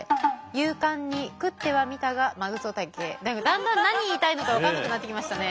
だんだん何言いたいのか分かんなくなってきましたね。